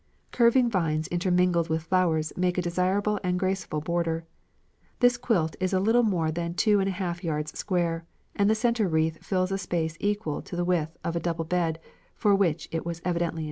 Curving vines intermingled with flowers make a desirable and graceful border. This quilt is a little more than two and a half yards square, and the central wreath fills a space equal to the width of a double bed, for which it was evidently intended.